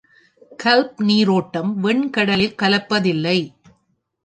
கல்ப் நீரோட்டம் வெண்கடலில் கலப்பதில்லை.